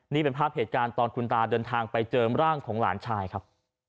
นี่เป็นภาพเหตุการณ์ตอนคุณตาเดินทางไปเจอร่างของหลานชายครับ